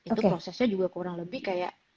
itu prosesnya juga kurang lebih kayak